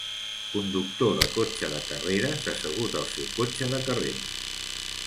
Conductor de cotxe de carreres assegut al seu cotxe de carreres.